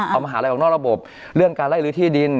เอามหาลัยออกนอกระบบเรื่องการไล่ลื้อที่ดิน